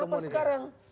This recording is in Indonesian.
baru kenapa sekarang